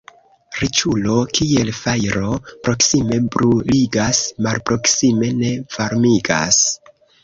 Riĉulo kiel fajro proksime bruligas, malproksime ne varmigas.